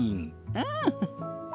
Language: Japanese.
うん。